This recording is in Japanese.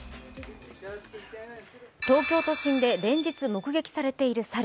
東京都心で連日、目撃されている猿。